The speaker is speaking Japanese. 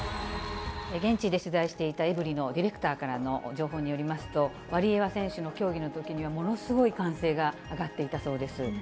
現地で取材していたエブリィのディレクターからの情報によりますと、ワリエワ選手の競技のときにはものすごい歓声が上がっていたそうです。